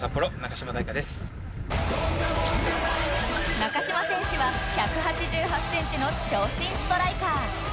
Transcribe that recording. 中島選手は１８８センチの長身ストライカー